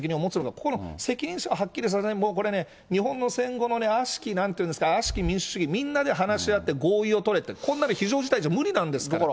ここの責任者がはっきりしない、もうこれね、日本の戦後のあしき悪しき民主主義、話し合って合意を取れって、こんなの非常事態じゃ無理なんですから。